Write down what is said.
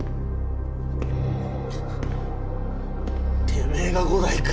てめえが伍代か。